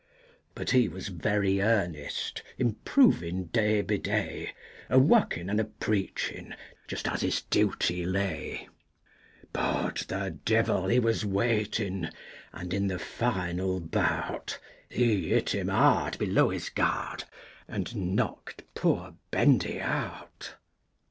But he was very earnest, improvin' day by day, A workin' and a preachin' just as his duty lay, But the devil he was waitin', and in the final bout, He hit him hard below his guard and knocked poor Bendy out.